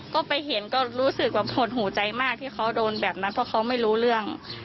ก็ไปเห็นก็รู้สึกแบบหดหูใจมากที่เขาโดนแบบนั้นเพราะเขาไม่รู้เรื่อง